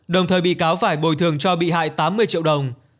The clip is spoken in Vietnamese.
đồng thời bị cáo phải bồi thường cho bị hại tám mươi triệu đồng